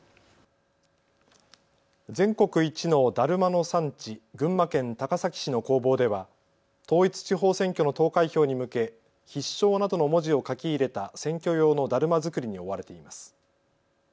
全国一のだるまの産地、群馬県高崎市の工房では統一地方選挙の投開票に向け必勝などの文字を書き入れた選挙用のだるま作りに追われています。